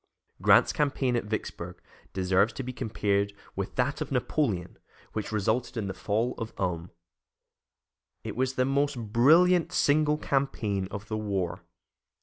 Grant's campaign against Vicksburg deserves to be compared with that of Napoleon which resulted in the fall of Ulm. It was the most brilliant single campaign of the war.